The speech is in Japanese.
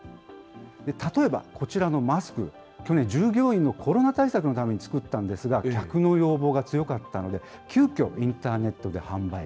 例えば、こちらのマスク、去年、従業員のコロナ対策のために作ったんですが、客の要望が強かったので、急きょ、インターネットで販売。